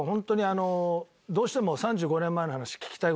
どうしても。